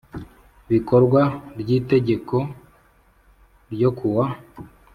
bikorwa ry itegeko n ryo kuwa